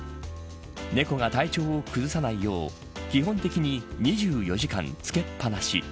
猫が体調を崩さないよう基本的に２４時間つけっぱなし。